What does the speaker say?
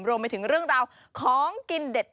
รวมไปถึงเรื่องราวของกินเด็ด